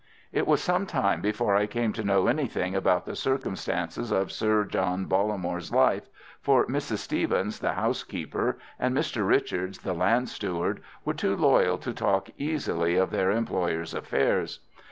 It was some time before I came to know anything about the circumstances of Sir John Bollamore's life, for Mrs. Stevens, the housekeeper, and Mr. Richards, the land steward, were too loyal to talk easily of their employer's affairs.